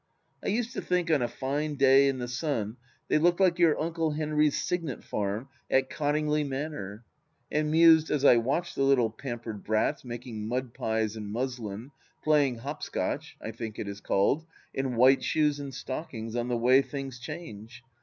... I used to think on a fine day, in the sun, they looked like your Uncle Henry's cygnet farm at Cottingley Manor, and mused as I watched the little pampered brats making mud pies in muslin, plajring hop scotch — I think it is called ?— in white shoes and stockings, on the way things change.